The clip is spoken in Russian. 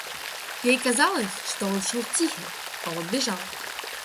Ей казалось, что он шел тихо, а он бежал.